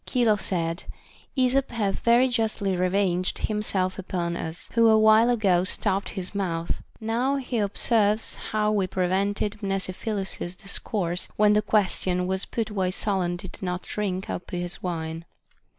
Chilo said : Esop hath very justly revenged himself upon us, who awhile ago stopped his mouth ; now he observes how we prevented Mnesiphilus's discourse, when the question was put why Solon did not drink up his wine.